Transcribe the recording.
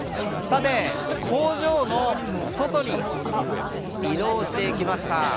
工場の外に移動してきました。